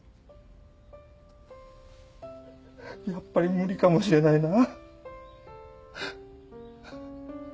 やっぱり無理かもしれないな。